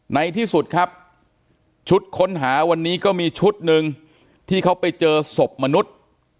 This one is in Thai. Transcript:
ในที่สุดครับชุดค้นหาวันนี้ก็มีชุดหนึ่งที่เขาไปเจอศพมนุษย์